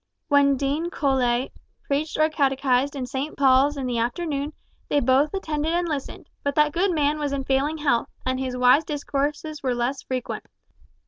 When Dean Colet preached or catechised in St. Paul's in the afternoon they both attended and listened, but that good man was in failing health, and his wise discourses were less frequent.